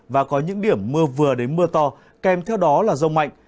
và có những điểm mưa vừa đến mưa to kèm theo đó là rông mạnh